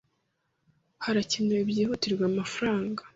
Harakenewe byihutirwa amafaranga.